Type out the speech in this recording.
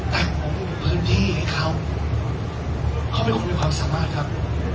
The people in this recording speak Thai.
แต่ผมพื้นที่ให้เขาเขาเป็นคนมีความสามารถครับ